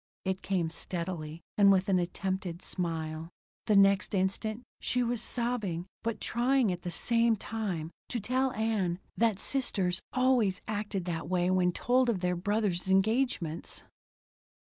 It came steadily, and with an attempted smile. The next instant she was sobbing, but trying at the same time to tell Ann that sisters always acted that way when told of their brothers' engagements.